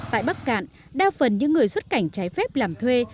tại bắc cạn đa phần những người xuất cảnh trái phép làm thuê